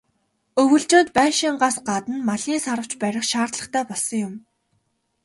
Өвөлжөөнд байшингаас гадна малын "саравч" барих шаардлагатай болсон юм.